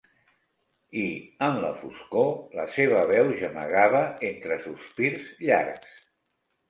I, en la foscor, la seva veu gemegava entre sospirs llargs.